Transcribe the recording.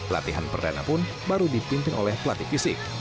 latihan perdana pun baru dipimpin oleh pelatih fisik